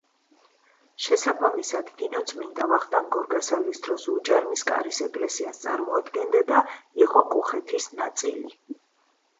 შესაბამისად ნინოწმინდა ვახტანგ გორგასალის დროს, უჯარმის კარის ეკლესიას წარმოადგენდა და იყო კუხეთის ნაწილი.